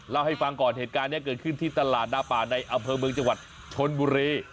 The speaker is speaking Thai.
เล่าให้ฟังก่อนเหตุการณ์นี้เกิดขึ้นที่ตลาดหน้าป่าในอำเภอเมืองจังหวัดชนบุรี